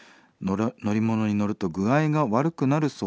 乗り物に乗ると具合が悪くなるそうなんですね。